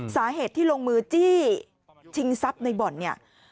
สาเหตุที่ลงมือจี้ชิงทรัพย์ในบ่อนเนี่ย